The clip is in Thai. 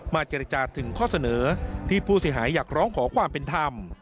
เจรจาถึงข้อเสนอที่ผู้เสียหายอยากร้องขอความเป็นธรรม